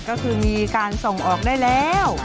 ก็คือมีการส่งออกได้แล้ว